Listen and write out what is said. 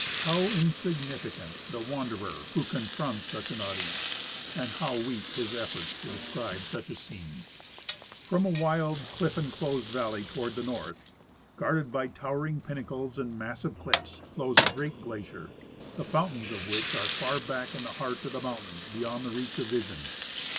How insignificant the wanderer who con fronts such an audience, and how weak his efforts to describe such a scene ! From a wild cliff enclosed valley toward the north, guarded by towering pinnacles and massive cliffs, flows a great glacier, the fountains of which are far back in the heart of the mountains beyond the reach of vision.